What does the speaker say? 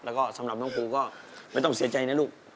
แล้วก็สำหรับน้องปูก็ไม่ต้องเสียใจนะลูก